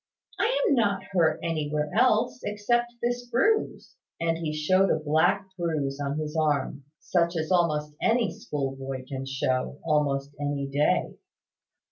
"I am not hurt anywhere else, except this bruise;" and he showed a black bruise on his arm, such as almost any schoolboy can show, almost any day.